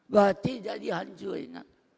bahwa tidak dihancurin